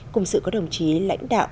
cùng sự có đồng chí lãnh đạo